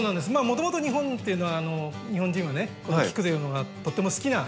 もともと日本というのは日本人はね菊というのがとても好きな。